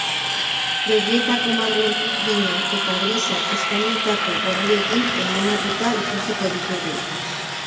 Begietako margo urdinak eta grisak ezpainetako gorriekin konbinatuta ikusiko ditugu.